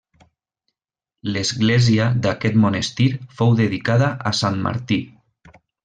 L'església d'aquest monestir fou dedicada a Sant Martí.